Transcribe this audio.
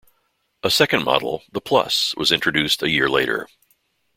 A second model, the "Plus", was introduced a year later.